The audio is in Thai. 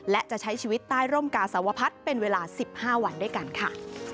และจะใช้ชีวิตใต้ร่มกาสวพัฒน์เป็นเวลา๑๕วันด้วยกันค่ะ